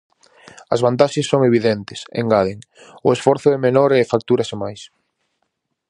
As vantaxes son evidentes, engaden: o esforzo é menor e factúrase máis.